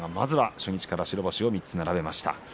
初日から白星を３つ並べました。